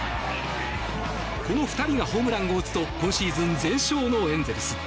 この２人がホームランを打つと今シーズン全勝のエンゼルス。